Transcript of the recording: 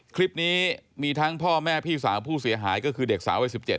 คลิปนี้มีทั้งพ่อแม่พี่สาวผู้เสียหายก็คือเด็กสาววัย๑๗